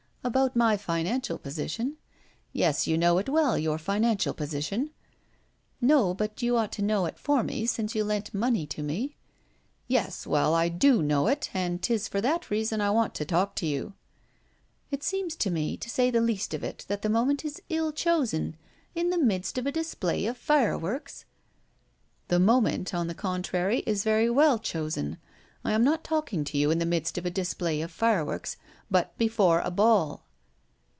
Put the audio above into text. "About my financial position?" "Yes, you know it well, your financial position." "No. But you ought to know it for me, since you lent money to me." "Well, yes, I do know it, and 'tis for that reason I want to talk to you." "It seems to me, to say the least of it, that the moment is ill chosen in the midst of a display of fireworks!" "The moment, on the contrary, is very well chosen. I am not talking to you in the midst of a display of fireworks, but before a ball."